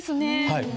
はい。